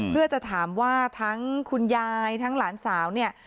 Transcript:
เพื่อจะถามว่าทั้งคุณยายทั้งหลานสาวเนี่ย